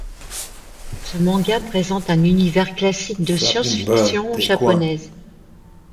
Ce manga présente un univers classique de science-fiction japonaise.